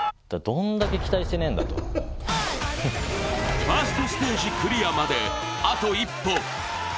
ファーストステージクリアまで、あと一歩。